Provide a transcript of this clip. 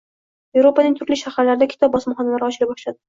Yevropaning turli shaharlarida kitob bosmaxonalari ochila boshladi.